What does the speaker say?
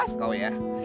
masuk kau ya